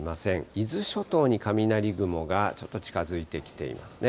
伊豆諸島に雷雲がちょっと近づいてきていますね。